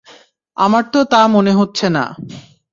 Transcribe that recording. আমার তো তা মনে হচ্ছে না।